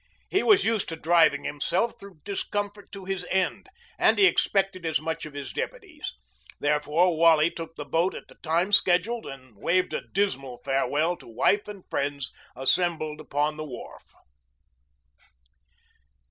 He was used to driving himself through discomfort to his end, and he expected as much of his deputies. Wherefore Wally took the boat at the time scheduled and waved a dismal farewell to wife and friends assembled upon the wharf.